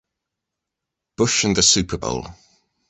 Bush and the Super Bowl.